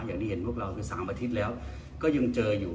อย่างที่เห็นพวกเราคือ๓อาทิตย์แล้วก็ยังเจออยู่